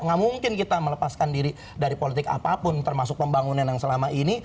gak mungkin kita melepaskan diri dari politik apapun termasuk pembangunan yang selama ini